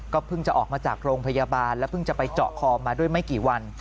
เพิ่งจะออกมาจากโรงพยาบาลและเพิ่งจะไปเจาะคอมาด้วยไม่กี่วัน